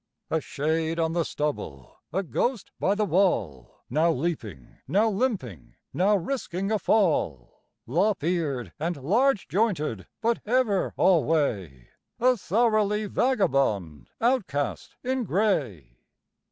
A shade on the stubble, a ghost by the wall, Now leaping, now limping, now risking a fall, Lop eared and large jointed, but ever alway A thoroughly vagabond outcast in gray.